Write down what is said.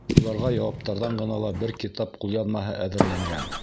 Шуларға яуаптарҙан ғына ла бер китап ҡулъяҙмаһы әҙерләнгән.